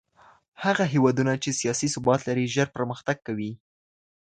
هغه هېوادونه چي سياسي ثبات لري ژر پرمختګ کوي.